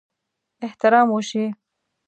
احترام وشي.